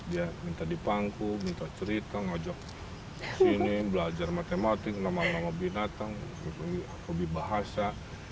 dia minta di pangku minta cerita ngajak sini belajar matematik nama nama binatang hobi bahasa